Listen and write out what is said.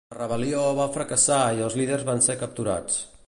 La rebel·lió va fracassar i els líders van ser capturats.